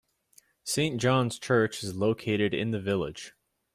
Saint John's Church is located in the village.